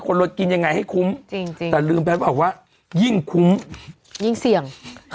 คนรวดกินอย่างไรให้คุ้มแต่ลืมแพ้บอกว่ายิ่งคุ้มยิ่งเสี่ยง